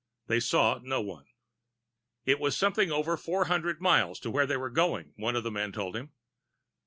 They saw no one. It was something over four hundred miles to where they were going, one of the men told him.